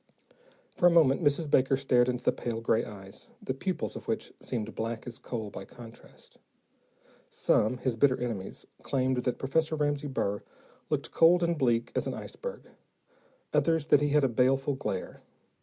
For a moment, Mrs. Baker stared into the pale gray eyes, the pupils of which seemed black as coal by contrast. Some, his bitter enemies, claimed that Professor Ramsey Burr looked cold and bleak as an iceberg, others that he had a baleful glare.